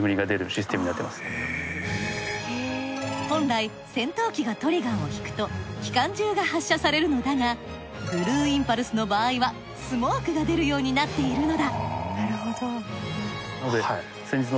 本来戦闘機がトリガーを引くと機関銃が発射されるのだがブルーインパルスの場合はスモークが出るようになっているのだ。